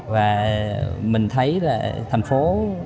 và mình thấy là thành phố